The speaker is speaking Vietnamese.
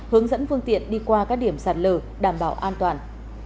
hướng dẫn phương tiện đi qua các điểm sạt lở đảm bảo an toàn